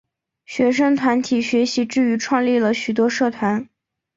学生团体学习之余创立了许多社团。